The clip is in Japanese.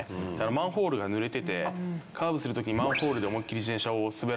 マンホールがぬれててカーブするときにマンホールで思い切り自転車を滑らせまして。